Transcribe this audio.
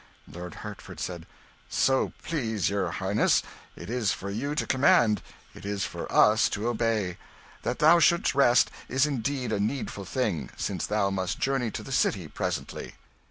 Lord Hertford said "So please your highness, it is for you to command, it is for us to obey. That thou should'st rest is indeed a needful thing, since thou must journey to the city presently."